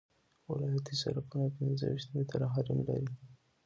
ولایتي سرکونه پنځه ویشت متره حریم لري